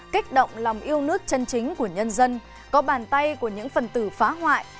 kích động lòng yêu nước chân chính của nhân dân có bàn tay của những phần tử phá hoại